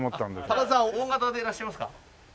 高田さんＯ型でいらっしゃいますか？